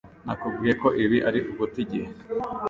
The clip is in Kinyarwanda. Nakubwiye ko ibi ari uguta igihe.